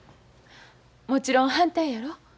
もちろん反対やろ？